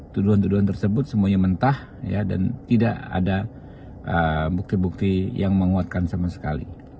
tuduhan tuduhan tersebut semuanya mentah dan tidak ada bukti bukti yang menguatkan sama sekali